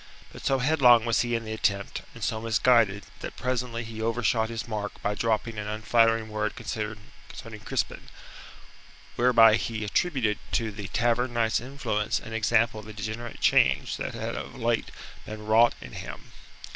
But so headlong was he in the attempt, and so misguided, that presently he overshot his mark by dropping an unflattering word concerning Crispin, whereby he attributed to the Tavern Knight's influence and example the degenerate change that had of late been wrought in him.